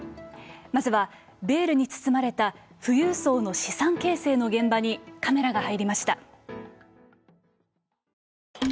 まずは、ベールに包まれた富裕層の資産形成の現場にカメラが入りました。